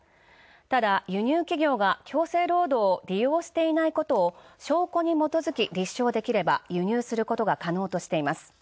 ただ輸入企業が強制労働を利用していないことを証拠に基づき立証できれば、輸入することが可能としています。